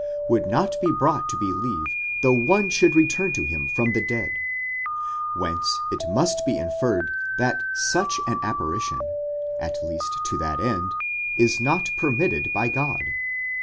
—would not be brought to believe, though one should return to him from the dead : whence it must be inferred that such an apparition, at least to that end, is not permitted by God.